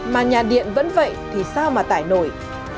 mà nhà điện vẫn vậy thì sao mà tải nổi